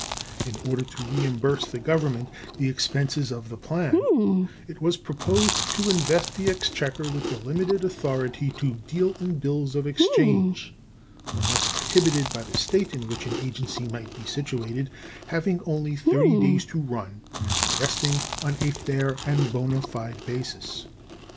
In order to reimburse the Government the expenses of the plan, it was proposed to invest the exchequer with the limited authority to deal in bills of exchange (unless prohibited by the State in which an agency might be situated) having only thirty days to run and resting on a fair and bona fide basis.